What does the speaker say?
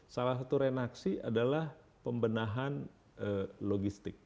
salah satu renaksi adalah pembenahan logistik